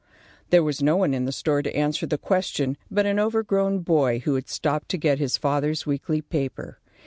There was no one in the store to answer the question but an overgrown boy who had stopped to get his father's weekly paper.